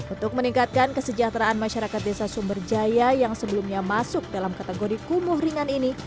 untuk meningkatkan kesejahteraan masyarakat desa sumberjaya yang sebelumnya masuk dalam kategori kumuh ringan ini